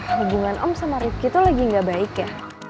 hubungan om sama rifqi tuh lagi gak baik ya